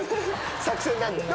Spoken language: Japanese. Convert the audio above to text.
作戦なんで。